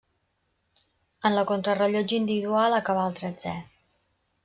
En la contrarellotge individual acabà el tretzè.